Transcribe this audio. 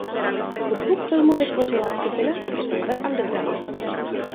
Hudbu k filmu vytvořila skupina The Velvet Underground.